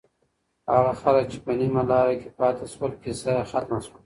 هغه خلک چې په نیمه لاره کې پاتې شول، کیسه یې ختمه شوه.